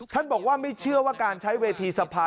บอกว่าไม่เชื่อว่าการใช้เวทีสภา